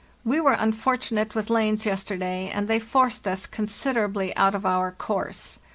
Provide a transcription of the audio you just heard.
We were unfortunate with lanes yesterday, and they forced us considerably out of our course.